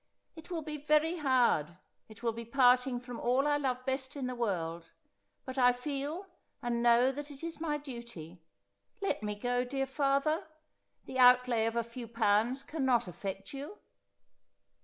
It will be very hard, it Avill be parting from all I love best in the world, but I feel and know that it is my duty. Let me go, dear father. The outlay of a few pounds cannot affect you.'